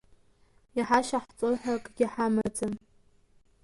Иҳашьаҳҵоҳәа акгьы ҳамаӡам.